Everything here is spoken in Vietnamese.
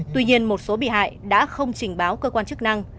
tuy nhiên một số bị hại đã không trình báo cơ quan chức năng